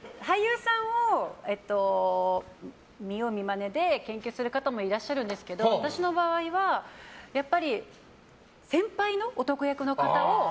俳優さんを見よう見まねで研究する方もいらっしゃるんですけど私の場合はやっぱり、先輩の男役の方を。